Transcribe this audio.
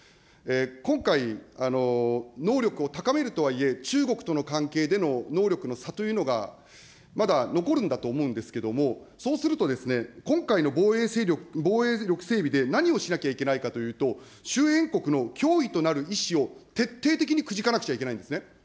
今回、能力を高めるとはいえ、中国との関係での能力の差というのがまだ残るんだと思うんですけれども、そうすると、今回の防衛力整備で何をしなきゃいけないかというと、周辺国の脅威となる意思を徹底的にくじかなくちゃいけないんですね。